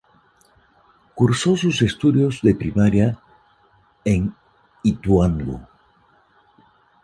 Cursó sus estudios de primaria en Ituango.